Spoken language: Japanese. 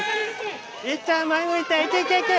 いっちゃん前向いていけいけいけ！